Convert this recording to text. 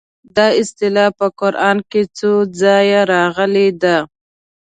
دا اصطلاح په قران کې څو ځایه راغلې ده.